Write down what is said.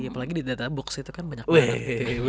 apalagi di data box itu kan banyak banget